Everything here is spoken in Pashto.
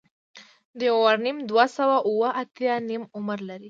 د یورانیم دوه سوه اوومه اتیا نیم عمر لري.